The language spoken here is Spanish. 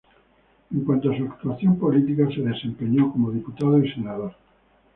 En cuanto a su actuación política, se desempeñó como diputado y senador.